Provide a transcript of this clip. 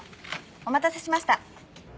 お待たせしました。